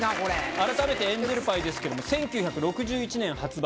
改めてエンゼルパイですけれども、１９６１年発売。